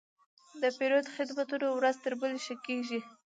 د پیرود خدمتونه ورځ تر بلې ښه کېږي.